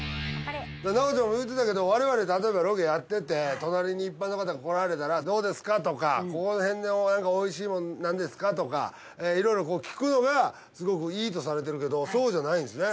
奈央ちゃんも言うてたけど我々例えばロケやってて隣に一般の方が来られたら「どうですか？」とか「この辺でなんかおいしいもんなんですか？」とかいろいろ聞くのがすごくいいとされてるけどそうじゃないんですね。